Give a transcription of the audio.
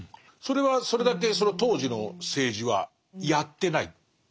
それはそれだけ当時の政治はやってない？